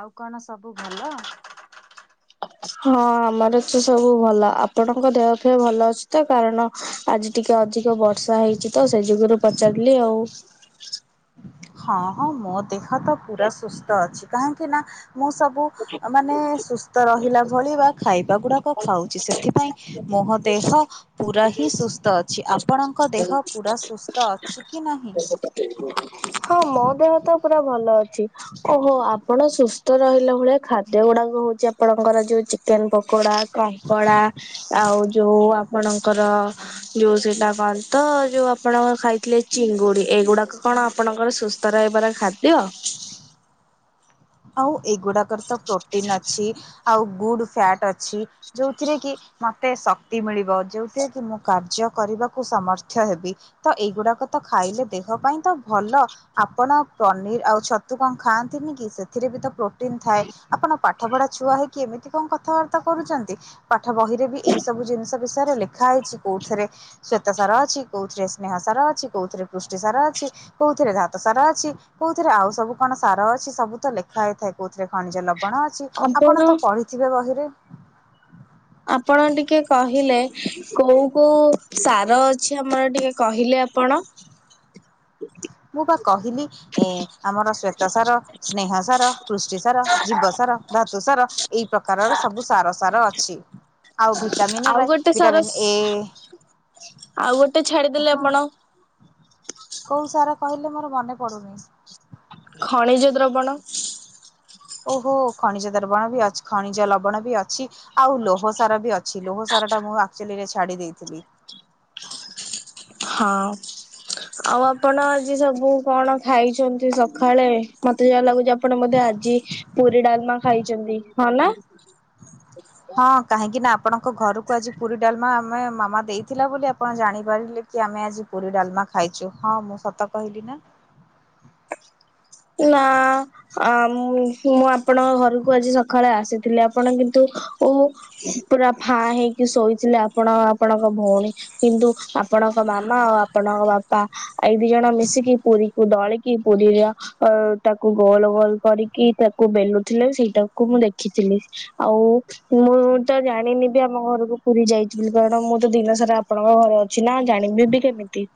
ଆଉ କଣ ସବୁ ଭଲ? ହଁ ଆମର ତ ସବୁ ଭଲ ଆପଣଙ୍କ ଦେହ ଫେହ ଭଲ ଅଛି ତ କାରଣ ଆଜି ଟିକେ ଅଧିକ ବର୍ଷା ହେଇଛି ତ ସେ ଯୁଗରୁ ପଚାରିଲି ଆଉ ହଁ ହଁ ମୋ ଦେହ ତ ପୁରା ସୁସ୍ଥ ଅଛି କାହିଁକି ନା? ମୁଁ ସବୁ ମାନେ ସୁସ୍ଥ ରହିଲା ଭଳିବା ଖାଇବା ଗୁଡାକ ଖାଉଛି ସେଥିପାଇଁ ମୋ ଦେହ ପୁରା ହିଁ ସୁସ୍ଥ ଅଛି ଆପଣଙ୍କ ଦେହ ପୁରା ସୁସ୍ଥ ତ ଅଛି କି ନାହିଁ? ହଁ ମୋ ଦେହ ତ ପୁରା ଭଲ ଅଛି। ଓହୋ ଆପଣ ସୁସ୍ଥ ରହିଲା ଭଳିଆ ଖାଦ୍ୟ ଗୁଡାକ ହଉଛି ଆପଣଙ୍କର ଯୋଉ ଚିକେନ ପକୋଡା କଙ୍କଡା ଆଉ ଯୋଉ ଆପଣଙ୍କର ଯୋଉ ସେଇଟା କଣ ତ ଯୋଉ ଆପଣ ଖାଇଥିଲେ? ଚିଙ୍ଗୁଡି ଏଇଗୁଡାକ କଣ ଆପଣଙ୍କର ସୁସ୍ଥ ରହିବାର ଖାଦ୍ୟ? ଆଉ ଏଇଗୁଡାକରେ ତ ପ୍ରୋଟିନ ଅଛି ଆଉ ଗୁଡ ଫ୍ୟାଟ ଅଛି ଯୋଉଥିରେ କି? ମତେ ଶକ୍ତି ମିଳିବ ଯୋଉଥିରେ କି ମୁଁ କାର୍ଯ୍ୟ କରିବାକୁ ସମର୍ଥ ହେବି। ତ ଏଇଗୁଡାକ ତ ଖାଇଲେ ଦେହ ପାଇଁ ତ ଭଲ। ଆପଣ ପନିର ଆଉ ଛତୁ କଣ ଖାଆନ୍ତିନି କି ସେ ଏଥିରେ ବି ତ ପ୍ରୋଟିନ ଥାଏ ଆପଣ ପାଠପଢା ଛୁଆ ହେଇକି ଏମିତି କଣ କଥାବାର୍ତ୍ତା କରୁଛନ୍ତି? ପାଠ ବହିରେ ବି ଏଇ ସବୁ ଜିନିଷ ବିଷୟରେ ଲେଖା ହେଇଛି କୋଉଥୀରେ ଶ୍ଵେତ ସାର ଅଛି କୋଉଥିରେ ସ୍ନେହ ସାର ଅଛି କୋଉଥିରେ ପୃଷ୍ଟି ସାର ଅଛି କୋଉଥିରେ ଧାତ ସାର ଅଛି କୋଉଥିରେ ଆଉ ସବୁ କଣ ସାର ଅଛି ସବୁ ତ ଲ ଖାଇ ଥାଏ କୋଉଥିରେ ଖଣିଜ ଲବଣ ଅଛି ଆପଣ ତ ପଢିଥିବେ ବହିରେ। ଆପଣ ଟିକେ କହିଲେ। କୋଉ କୋଉ ସାର ଅଛି ଆମର ଟିକେ କହିଲେ ଆପଣ? ମୁଁ ପା କହିଲି ଏ ଆମର ଶ୍ଵେତ ସାର ସ୍ନେହ ସାର ପୃଷ୍ଟି ସାର ଜୀବ ସାର ଧାତୁ ସାର ଏଇ ପ୍ରକାରର ସବୁ ସାର ସାର ଅଛି ଆଉ ଆଉ ଭିଟାମିିନରେ ଗୋଟେ ସାର ଭିଟାମିିନ ଏ ଆଉ ଗୋଟେ ଛାଡିଦେଲେ ହଁ ଆପଣ କୋଉ ସାର କହିଲେ ମୋର ମନେ ପଡ଼ୁନି ଖଣିଜ ଦ୍ରବଣ ଓହୋ ଖଣିଜ ଦର୍ବଣ ବି ଅଛି ଖଣିଜ ଲବଣ ବି ଅଛି ଆଉ ଲୋହ ସାର ବି ଲୋହ ସାରା ଟା ମୁଁଚରେ ଛାଡି ଦେଇଥିଲି। ହଁ। ଆଉ ଆପଣ ଆଜି ସବୁ କଣ ଖାଇଛନ୍ତି ସକାଳେ ମତେ ଯାହା ଲାଗୁଛି ପଣ ମତେ ଆଜି ପୁରୀ ଡାଲମା ଖାଇଛନ୍ତି ହଁ ନା ହଁ କାହିଁକି ନା ଆପଣଙ୍କ ଘରକୁ ଆଜି ପୁରୀ ଡାଲମା ଆମେ ମାମା ଦେଇଥିଲା ବୋଲି ଆପଣ ଜାଣିପାରିଲେ କି ଆମେ ଆଜି ପୁରୀ ଡାଲମା ଖାଇଛୁ ହଁ ମୁଁ ସତ କହିଲି ନା ନା ଆ ମୁ ମୁଁ ଆପଣଙ୍କ ଘରକୁ ଆଜି ସକାଳେ ଆସିଥିଲି ଆପଣ କିନ୍ତୁ ଉ ପୁରା ଫା ହେଇକି ଶୋଇଥିଲେ ଆପଣ ଆଉ ଆପଣଙ୍କ ଭଉଣୀ କିନ୍ତୁ ଆପଣଙ୍କ ମାମା ଆଉ ଆପଣଙ୍କ ବାପା ଆଇ ଦି ଜଣ ମିଶିକି ପୁରୀକୁ ଦଳିକି ପୁରୀର ଅ ତାକୁ ଗୋଲ ଗୋଲ କରିକି ତାକୁ ବେଲୁଥିଲେ ସେଇଟାକୁ ମୁଁ ଦେଖିଥିଲି ଆଉ ମୁଁ ତ ଜାଣିନି ବି ଆମ ଘରକୁ ପୁରୀ ଯାଇଛି ବୋଲି କାରଣ ମୁଁ ତ ଦିନ ସାରା ଆପଣଙ୍କ ଘରେ ଅଛି। କିଛି ନା ଜାଣିବି ବି କେମିତି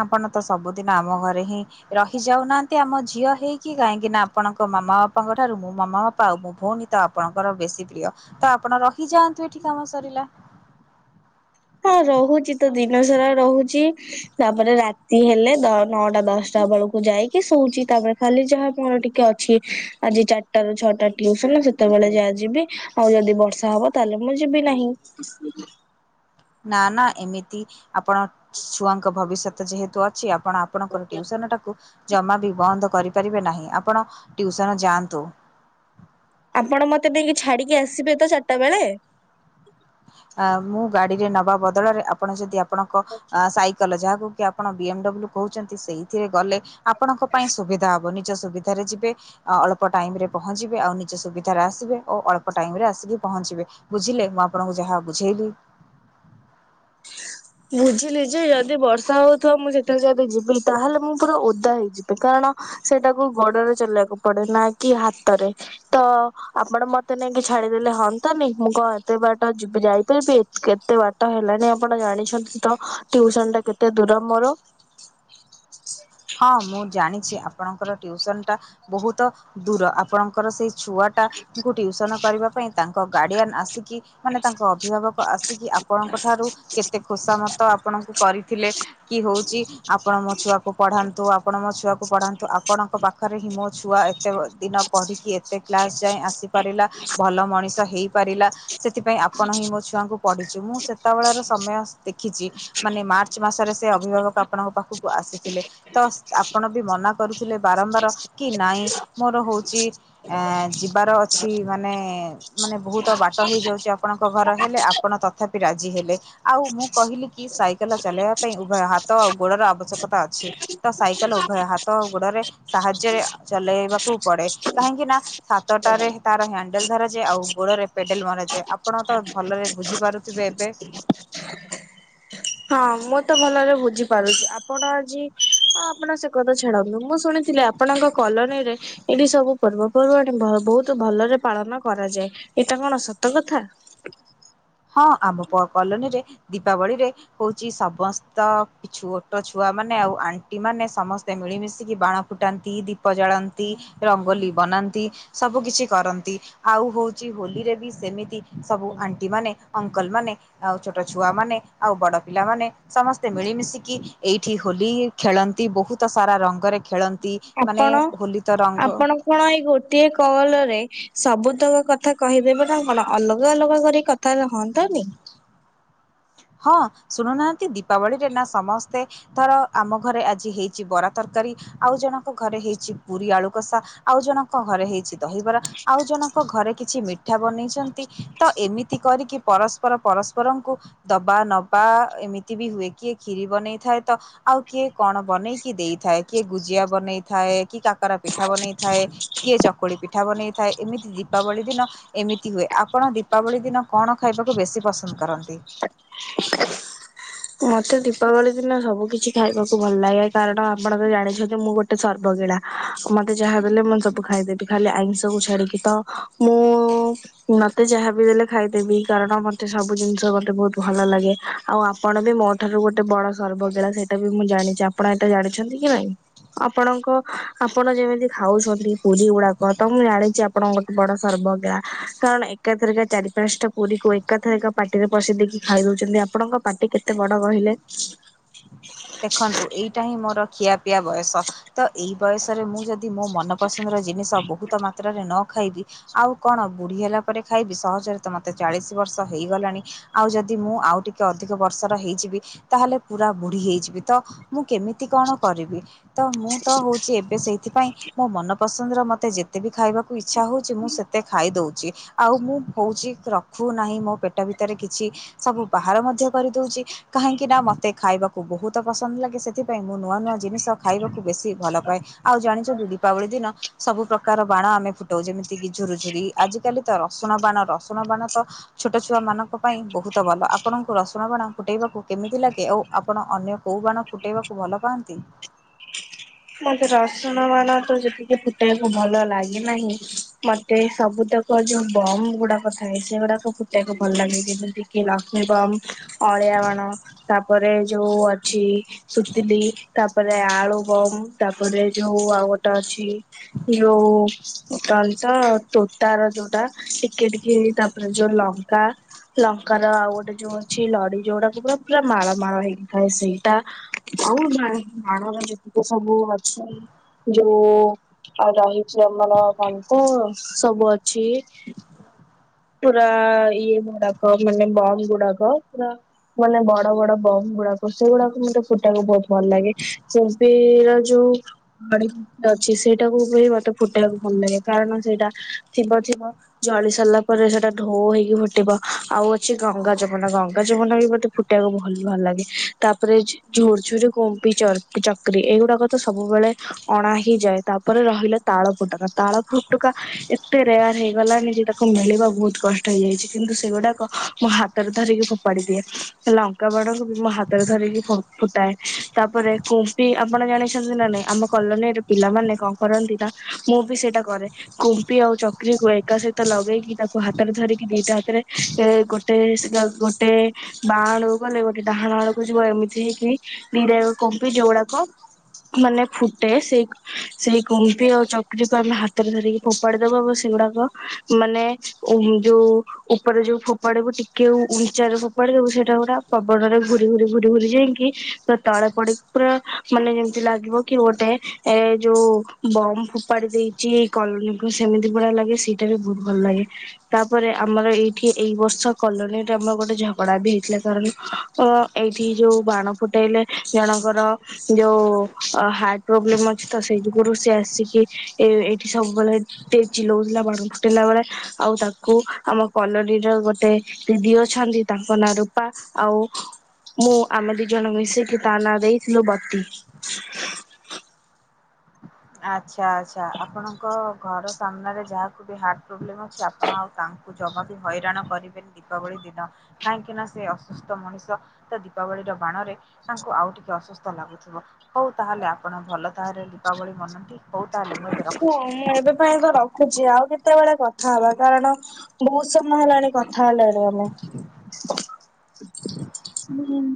ଆପଣ ତ ସବୁଦିନ ଆମ ଘରେ ହିଁ ରହି ଯାଉନାହାନ୍ତି ଆମ ଝିଅ ହେଇକି କାହିଁକି ନା ଆପଣଙ୍କ ମାମା ବାପାଙ୍କ ଠାରୁ ମୋ ମାମା ବାପା। ପାଉ ମୁଁ ଭଉଣୀ ତ ଆପଣଙ୍କର ବେଶୀ ପ୍ରିୟ ତ ଆପଣ ରହିଯାଆନ୍ତୁ ଏଠି କାମ ସରିଲା ହଁ ରହୁଛି ତ ଦିନ ସାରା ରହୁଛି। ତାପରେ ରାତି ହେଲେ ନଅଟା ଦଶଟା ବେଳକୁ ଯାଇକି ଶୋଇଉଚଛି ତାପରେ ଖାଲି ଯାହା ମୋର ଟିକେ ଅଛି ଆଜି ଚାରଟା ର ଛଅଟା ଟିୁସନ ସେତେବେଳେ ଯାହା ଯିବି ଆଉ ଯଦି ବର୍ଷା ହବ ତାହେଲେ ମୁଁ ଯିବି ନାହିଁ। ନା ନା ଏମିତି ଆପଣ ଛୁଆଙ୍କ ଭବିଷ୍ୟତ ଯେହେତୁ ଅଛି ଆପଣ ଆପଣଙ୍କର ଟଟିଉସନ ଟାକୁ ଜମା ବି ବନ୍ଦ କରିପାରିବେ ନାହିଁ ଆପଣ ଟିଉସନ ଯାଆନ୍ତୁ। ଆପଣ ମତେ ନେଇକି ଛାଡିକି ଆସିବେ ତ ଚାରିଟା ବେଳେ ଅ ମୁଁ ଗାଡିରେ ନବା ବଦଳରେ ଆପଣ ଯଦି ଆପଣଙ୍କ ସାଇକେଲ ଯାହାକୁ କି ଆପଣ ବି ଏମ ଡବ୍ଲୁ କହୁଛନ୍ତି ସେଇଥିରେ ଗଲେ ଆପଣଙ୍କ ପାଇଁ ସୁବିଧା ହବ ନିଜ ସୁବିଧାରେ ଯିବେ ଅଳ୍ପ ଟାଇମ୍ରରେ ପହଞ୍ଚିବେ ଆଉ ନିଜ ସୁବିଧାରେ ଆସିବେ ଓ ଅଳ୍ପ ଟାଇମେ ଆସିକି ପହଞ୍ଚିବେ। ବୁଝିଲେ ମୁଁ ଆପଣଙ୍କୁ ଯାହା ବୁଝେଇଲି। ବୁଝିଲି ଯେ ଯଦି ବର୍ଷା ହଉଥିବ ମୁଁ ସେଠାରୁ ଯଦି ଯିବି ତାହେଲେ ମୁଁ ପୁରା ଓଦା ହେଇଯିବି କାରଣ ସେଟାକୁ ଗୋଡରେ ଚଲେଇବାକୁ ପଡେ ନା କି ହାତରେ ତ ଆପଣ ମତେ ନେଇକି ଛାଡିଦେଲେ ହୁଅନ୍ତା ନି, ମୁଁ କଣ ଏତେ ବାଟ ଯ ଯାଇପାରିବି ଏତେ ବାଟ ତ ହେଲଣିି ଆପଣ ଜାଣିଛନ୍ତି ତ ଟିଉସନ ଟା କେତେ ଦୂର ମୋର ହଁ, ମୁଁ ଜାଣିଛି ଆପଣଙ୍କର ଟିଉସନ ଟା ବହୁତ ଦୂର ଆପଣଙ୍କର ସେଇ ଛୁଆଟା କୁ ଟ୍ୟଉସନ କରିବା ପାଇଁ ତାଙ୍କ ଗାର୍ଡ଼ିଆନ୍ ଆସିକି ମାନେ ତାଙ୍କ ଅଭିଭାବକ ଆସିକି ଆପଣଙ୍କ ଠାରୁ କେତେ ଖୋସା ମତ ଆପଣଙ୍କୁ କରିଥିଲେ। କି ହଉଛି ଆପଣ ମୋ ଛୁଆକୁ ପଢ଼ାନ୍ତୁ ଆପଣ ମୋ ଛୁଆକୁ ପଢ଼ାନ୍ତୁ ଆପଣଙ୍କ ପାଖରେ ହିଁ ମୋ ଛୁଆ ଏତେ ଦିନ ପଢ଼ିକି ଏ ତେ ଏତେ କ୍ଲାସ୍ ଯାଏ ଆସିପାରିଲା ଭଲ ମଣିଷ ହେଇପାରିଲା। ସେଥିପାଇଁ ଆପଣ ହିଁ ମୋ ଛୁଆଙ୍କୁ ପଢିଚୁ ମୁଁ ସେତେବେଳାର ସମୟ ଦେଖିଛି। ମାନେ ମାର୍ଚ୍ଚ ମାସରେ ସେ ଅଭିଭାବକ ଆପଣଙ୍କ ପାଖକୁ ଆସି ଥିଲେ ତ ଆପଣ ବି ମନା କରୁଥିଲେ ବାରମ୍ବାର କି ନାଇଁ ମୋର ହଉଛି। ଏଁ ଯିବାର ଅଛି ମାନେ। ମାନେ ବହୁତ ବାଟ ହେଇଯାଉଛି। ଆପଣଙ୍କ ଘର ହେଲେ ଆପଣ ତଥାପି ରାଜି ହେଲେ। ଆଉ ମୁଁ କହିଲି କି ସାଇକେଲ ଚଲେଇବା ପାଇଁ ଉଭୟ ହାତ ଆଉ ଗୋଡର ଆବଶ୍ୟକତା ଅଛି। ଅଛି ତ ସାଇକେଲ ଉଭୟ ହାତ ଆଉ ଗୋଡରେ। ସାହାଯ୍ୟରେ ଚଲେଇବାକୁ ପଡେ କାହିଁକି ନା ହାତ ଟାରେ ତାର ହ୍ୟାଣ୍ଡେଲ ଧରାଯାଏ। ଆଉ ଗୋଡରେ ପେଡେଲ ମରାଯାଏ। ଆପଣ ତ ଭଲରେ ବୁଝିପାରୁ ଥିବେ ଏବେ। ହଁ, ମୁଁ ତ ଭଲରେ ବୁଝିପାରୁଛି। ଆପଣ ଆଜି ଆପଣ ସେ କଥା ଛାଡନ୍ତୁ। ମୁଁ ଶୁଣିଥିଲି ଆପ ଆପଣଙ୍କ କଲୋନୀରେ ଏଇଠି ସବୁ ପର୍ବ ପର୍ବାଣି ବହୁତ ଭଲରେ ପାଳନ କରାଯାଏ। ଏଇଟା କଣ ସତ କଥା? ହଁ, ଆମ କଲୋନୀ ରେ ଦୀପାବଳିରେ ହଉଛି ସମସ୍ତ ଛୋଟ ଛୁଆ ମାନେ ଆଉ ଆଣ୍ଟି ମାନେ ସମସ୍ତେ ମିଳି ମିଶିକି ବାଣ ଫୁଟାନ୍ତି। ଦୀପ ଜାଳନ୍ତି। ରଙ୍ଗୋଲି ବନାନ୍ତି ସବୁ କିଛି କରନ୍ତି ଆଉ ହୋଉଛି ହୋଲି ରେ ବି ସେମିତି ସବୁ ଆଣ୍ଟି ମାନେ ଅଙ୍କଲ ମାନେ ଆଉ ଛୋଟ ଛୁଆମାନେ ଆଉ ବଡ଼ ପିଲାମାନେ। ସମସ୍ତେ ମିଳିମିଶିକି ଏଇଠି ହୋଲି ଖେଳନ୍ତି ବହୁତ ସାରା ରଙ୍ଗରେ ଖେଳନ୍ତି। ନ୍ତି ମାନେ ଆପଣ ହୋଲି ତ ରଙ୍ଗ। ଆପଣ ଏଇ ଗୋଟିଏ କଲ୍ ରେ ସବୁତକ କଥା କହିଦେବେ ବା ନା କଣ ଅଲଗା ଅଲଗା କରି କଥା ହୁଅନ୍ତା ନି। ହଁ, ଶୁଣୁ ନାହାନ୍ତି ଦୀପାବଳିରେ ନା ସମସ୍ତେ ଧର ଆମ ଘରେ ଆଜି ହେଇଛି ବରା ତରକାରୀ। ଆଉ ଜଣଙ୍କ ଘରେ ହେଇଛି ପୁରୀ ଆଳୁ କଷା ଆଉ ଜଣଙ୍କ ଘରେ ହେଇଛି ଦହିବରା ଆଉ ଜଣଙ୍କ ଘରେ କିଛି ମି ପିଠା ବନେଇଛନ୍ତି ତ ଏମିତି କରିକି ପରସ୍ପର ପରସ୍ପରଙ୍କୁ ଦବା, ନବା ଏମିତି ବି ହୁଏ କିଏ କ୍ଷୀରି ବନେଇଥାଏ ତ ଆଉ କିଏ କଣ ବନେଇକି ଦେଇଥାଏ କିଏ ଗୁଜିଆ ବନେଇଥାଏ କିଏ କାକରା ପିଠା ବନେଇଥାଏ। କିଏ ଚକୁଳି ପିଠା ବନେଇଥାଏ। ଏମିତି ଦୀପାବଳି ଦିନ। ଏମିତି ହୁଏ ଆପଣ ଦୀପାବଳି ଦିନ କଣ ଖାଇବାକୁ ବେଶୀ ପସନ୍ଦ କରନ୍ତି? [unintelligible] ମତେ ଦୀପାବଳି ଦିନ ସବୁ କିିଛି ଖାଇବାକୁ ଭଲ ଲାଗେ। କାରଣ ଆପଣ ତ ଜାଣିଛନ୍ତି ମୁଁ ଗୋଟେ ଗୋଟେ ସର୍ବଗିଳା ମତେ ଯାହା ଦେଲେ ମୁଁ ସବୁ ଖାଇଦେବି ଖାଲି ଆଇଁଷକୁ ଛାଡିକି। ତ ମୁଁ ମତେ ଯାହା ବିି ଦେଲେ ଖାଇଦେବି କାରଣ ମତେ ସବୁ ଜିନିଷ ମତେ ବହୁତ ଭଲ ଲାଗେ। ଆଉ ଆପଣ ମୋ ଠାରୁ ଗୋଟେ ବଡ ସର୍ବଗିଳା ସେଇଟା ବି ମୁଁ ଜାଣିଛି ଆପଣ ଏଟା ଜାଣିଛନ୍ତି କି ନାଇଁ? ଆପଣଙ୍କ ଆପଣ ଯେମିତି ଖାଉଛନ୍ତି ପୁରୀ ଗୁଡାକ ତ ମୁଁ ଜାଣିଛି ଆପ ଆପଣଙ୍କ ଗୋଟେ ବଡ ସର୍ବ ଗୀଳା କାରଣ ଏକାଥରକେ ଚାରି ପାଞ୍ଚଟା ପୁରୀ କୁ ଏକାଥରିକି ପାଟିରେ ପସିି ଦେଇକି ଖାଇ ଦଉଛନ୍ତି ଆପଣଙ୍କ ପାର୍ଟି କେତେ ବଡ କହିଲେ? ଦେଖନ୍ତୁ ଏଇଟା ହିଁ ମୋର ଖିଆପିଆ ବୟସ ତ ଏଇ ବୟସରେ ମୁଁ ଯଦି ଯଦି ମୋ ମନପସନ୍ଦର ଜିନିଷ ବହୁତ ମାତ୍ରାରେ ନ ଖାଇବି ଆଉ କଣ ବୁଢୀ ହେଲା ପରେ ଖାଇବି। ସହଜରେ ତ ମତେ ଚାଳିଶ ବର୍ଷ ହେଇଗଲାଣି। ଆଉ ଯଦି ମୁଁ ଆଉ ଟିକେ ଅଧିକ ବର୍ଷର ହେଇଯିବି ତାହେଲେ ପୁରା ବୁଢୀ ହେଇଯିବି। ତ ମୁଁ କେମିତି କଣ କରିବି? ତ ମୁଁ ତ ହୋଉଛି ଏବେ ସେଇଥିପାଇଁ ମୋ ମନ ପସନ୍ଦ ର ମତେ ଯେତେ ବି ଖାଇବାକୁ ଇଚ୍ଛା ହଉଛି ମୁଁ ସେତେ ଖାଇ ଦଉଛି। ଆଉ ମୁଁ ହୋଉଛି ରଖୁ ନାହିଁ ମୋ ପେଟ ଭିତରେ କିଛି। ସବୁ ବାହାର ମଧ୍ୟ କରିଦଉଛି କାହିଁକି ନା ମତେ ଖାଇବାକୁ ବହୁତ ତ ପସନ୍ଦ ଲାଗେ ସେଥିପାଇଁ ମୁଁ ନୂଆ ନୂଆ ଜିନିଷ ଖାଇବାକୁ ବେଶୀ ଭଲ ପାଏ। ଆଉ ଜାଣିଛନ୍ତି ଦୀପାବଳି ଦିନ ସବୁ ପ୍ରକାର ବାଣ ଆମେ ଫୁଟାଉ ଯେମିତି କିି ଝୁୁରୁ ଝୁରି ଆଜିକାଲି ତ ରସୁଣ ବାଣ ରସୁଣ ବାଣ ତ ଛୋଟ ଛୁଆ ମାନଙ୍କ ପାଇଁ ବହୁତ ଭଲ ଆପଣଙ୍କୁ ରସୁଣ ବାଣ ଫୁଟେଇବାକୁ କେମିତି ଲାଗେ? ଆଉ ଆପଣ ଅନ୍ୟ କୋଉ ବାଣ ଫୁଟାଇବାକୁ ଭଲ ପାଆନ୍ତି? ମତେ ରସୁଣ ବାଣ ତ ସେତିକି ଫୁଟେଇବାକୁ ଭଲ ଲାଗେ ନାହିଁ। ମତେ ସବୁତକ ଯୋଉ ବମ୍ ଗୁଡାକ ଥାଏ ସେଗୁଡାକ ଫୁଟେଇକୁ ଭଲ ଲାଗେ ଯେବେ କି ଲକ୍ଷ୍ମୀବମ୍ ଅଳିଆବାଣ ତାପରେ ଯୋଉ ଅଛି ସୁତିିଲି ତାପରେ ଆଳୁ ବମ୍ ତାପରେ ଜଉ ଆଉ ଗୋଟେ ଅଛି ଜଉ କଣ ତ ତୋଟା ର ଯୋଉଟା ଟିକେ ଟିକେ ତା ଯୋଉ ଲଙ୍କା ଲଙ୍କାର ଆଉ ଗୋଟେ ଯୋଉ ଅଛି ଲଡି ଯୋଉଟାକୁ ପୁରା ପୁରା ମାଳ ମାଳ ହେଇକଥାଏ ସେଇଟା ଆଉ ବାଣର ଯେତିକି ସବୁ ଅଛି ଯୋଉ ଆଉ ରହିଛି ଆମର କନ୍ତ ସବୁ ଅଛି ପୁରା ଇଏ ଗୁଡାକ ମାନେ ବମ୍ ଗୁଡାକ ପୁରା ମାନେ ବଡ ବଡ ବମ୍ ଗୁଡାକ ସେଗୁଡା ମୋତେ ଫୁଟେଇବାକୁ ବହୁତ ଭଲ ଲାଗେ ସେମତି ଯା ଯୋଉ [unintelligible] ଅଛି ସେଇଟାକୁ ବି ମତେ ଫୁଟେଇବାକୁ ଭଲ ଲାଗେ କାରଣ ସେଇଟା ଥିବ ଥିବ ଜଳି ସାରିଲା ପରେ ସେଟା ଢୋ ହେଇକି ଫୁଟିବ ଆଉ ଅଛି ଗଙ୍ଗା ଯମୁନ ଗଙ୍ଗା ଯମୁନା ବି ଗୋଟେ ଟାକୁ ଭଲ ଭଲ ଲାଗେ। ତାପରେ ଝୋର୍ ଝୁରି କୋମ୍ପି ଚକ୍ରି ଏଇଗୁଡା ତ ସବୁବେଳେ ଅଣା ହି ଯାଏ ତାପରେ ରହିଲା ତାଳ ଫୁଟୁକା ତାଳ ଫୁଟୁକା ଏତେ ରେୟାର ହେଇଗଲାଣି ଯେ ତାକୁ ମିଳିବା ବହୁତ କଷ୍ଟ ହେଇଯାଇଛି କିନ୍ତୁ ସେଗୁଡାକ ମୋ ହାତ ହାତରେ ଧରିକି ଫୋପାଡି ଦିଏ। ଲଙ୍କା ବାଡଙ୍କୁ ବି ମୁଁ ହାତରେ ଧରିକି ଫୁଟାଏ। ତାପରେ କୁମ୍ପି ଆପଣ ଜାଣି ଛନ୍ତି ନା ନାଇଁ ଆମ କଲୋନୀରେ ପିଲାମାନେ କଣ କରନ୍ତି ନା ମୁଁ ବି ସେଇଟା କରେ। କୁମ୍ପି ଆଉ ଚକ୍ରି କୁ ଏକା ସହିତ ଲଗେଇକି ତାକୁ ହାତରେ ଧରିକି ଦିଟା ହାତରେ ଗୋଟେ ଗେ ଗୋଟେ ବାଆଣକୁ ଗଲେ ଗୋଟେ ଡାହାଣ ଆଡକୁ ଯିବ ଏମିତି ହେଇକି ଦିଟା ଯାକ କୁମ୍ପି ଯୋଉଗୁଡାକ ମାନେ ଫୁଟେ ସେଇ ସେଇ କୁମ୍ପି ଆଉ ଚକ୍ରୀକୁ ଆମେ ହାତରେ ଧରିକି ଫୋପାଡି ଦବା ଆ ସେଗୁଡାକ ମାନେ ଉ ଯୋଉ ଉପରେ ଯୋଉ ଫୋପାଡିବୁ ଟିକେ ଉଞ୍ଚାରେ ଫୋପାଡି ଦେବୁ ସେଇଟା ଗୁଡା ପବନରେ ଘୁରି ଘୁରି ଘୁରି ଘୁରି ଯାଇକି ପୁରା ତାଳେ ପଡ୍କି ପୁରା ମାନେ ଯେମ ତି ଲାଗିବ କି ଗୋଟେ ଏ ଯୋଉ ବମ୍ ଫୋପାଡି ଦେଇଛି କଲୋନୀକୁ ସେମିତି ଭଳିଆ ଲାଗେ ସେ ବି ବହୁତ ଭଲ ଲାଗେ। ତାପରେ ଆମର ଏଇଠି ଏଇ ବର୍ଷ କଲୋନୀରେ ଆମର ଗୋଟେ ଝଗଡା ବି ହେଇଥିଲା କାରଣ ଓ ଏଇଠି ଯୋଉ ବାଣ ଫୁଟେଇଲେ ଜଣଙ୍କର ଯୋଉ ଅ ହାର୍ଟ ପ୍ରୋବ୍ଲେମ ଅଛି ତ ସେଇ ଯୁଗରୁୁ ସେ ଆସିକି ଏ ଏଇଠି ସବୁବେଳେ ଟେ ଚିଲଉଥିଲା ବାଣୁ ଫୁଟିଲା ବେଳେ ଆଉ ତାକୁ ଆମ କଲୋନୀର ଗୋଟେ ଦିଦି ଅଛନ୍ତି ତାଙ୍କ ନାଁ ରୂପା ଆଉ ମୁଁ ଆମେ ଦି ଜଣ ମିଶିକି ତା ନାଁ ଦେଇଥିଲୁ ବତି। ଆଚ୍ଛା ଆଚ୍ଛା ଆପଣଙ୍କ ଘର ସାମ୍ନାରେ ଯାହାକୁ ବି ହାର୍ଟ ପ୍ରୋବ୍ଲେମ୍ ଅଛି ଆପଣ ଆଉ ତାଙ୍କ କୁ ଜମା ବି ହଇରାଣ କରିବେନି ଦୀପାବଳି ଦିନ କାହିଁକି ନା ସେ ଅସୁସ୍ଥ ମଣିଷ। ତା ଦିପାବଳିର ବାଣରେ ତାଙ୍କୁ ଆଉ ଟିକେ ଅସୁସ୍ଥ ଲାଗୁଥିବ। ହଉ ତାହେଲେ ଆପଣ ଭଲ ତାହରେ ଦୀପାବଳି ବନାନ୍ତି। ହଁ ମୁଁ ଏବେ ପାଇଁ ତ ରଖୁଛି ଆଉ କେତେବେଳେ କଥା ହବା କାରଣ ବହୁତ ସମୟ ହେଲାଣି କଥା ହେଲାଣି ଆମେ। ହୁଁ।